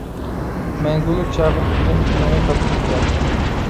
«مەڭگۈلۈك چاقىرىق» دېگەن كىنونى تاپقىلى بولارمۇ؟